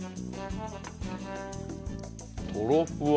とろふわ！